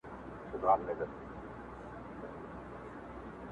په سره ټاکنده غرمه کي٫